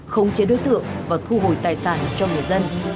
không chế đối tượng và thu hồi tài sản cho người dân